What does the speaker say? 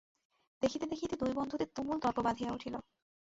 দেখিতে দেখিতে দুই বন্ধুতে তুমুল তর্ক বাধিয়া উঠিল।